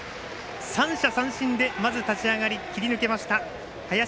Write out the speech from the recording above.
３者三振で立ち上がり、切り抜けました。